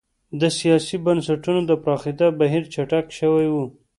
د سیاسي بنسټونو د پراختیا بهیر چټک شوی و.